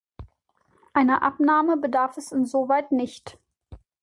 Einer Abnahme bedarf es insoweit nicht.